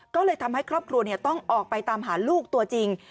ก็เลยทำให้ครอบครัวต้องออกไปตามหาลูกตัวจริง